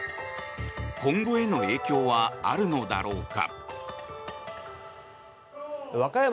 今後への影響はあるのだろうか。